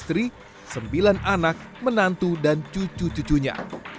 istri sembilan anak menantu dan cucu cucunya